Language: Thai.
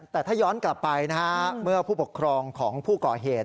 แต่ถ้าย้อนกลับไปนะฮะเมื่อผู้ปกครองของผู้ก่อเหตุ